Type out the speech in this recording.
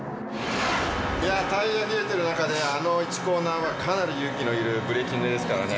タイヤ冷えてるなかであの１コーナーはかなり勇気のいるブレーキングですからね。